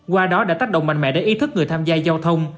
qua đó đã tách động mạnh mẽ để ý thức người tham gia giao thông